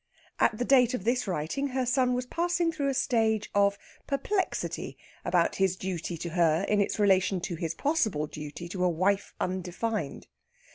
At the date of this writing her son was passing through a stage of perplexity about his duty to her in its relation to his possible duty to a wife undefined.